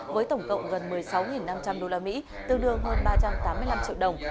với tổng cộng gần một mươi sáu năm trăm linh usd tương đương hơn ba trăm tám mươi năm triệu đồng